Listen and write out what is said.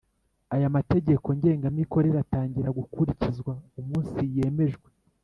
Aya mategeko ngengamikorere atangira gukurikizwa umunsi yemejwe